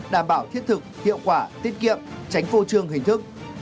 đảm bảo thiết thực hiệu quả tiết kiệm tránh phô trương hình thức